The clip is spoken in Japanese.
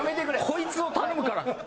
「こいつ」を頼むから。